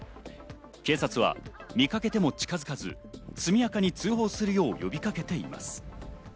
警察は見かけても近づかず速やかに通報するように呼びかけています。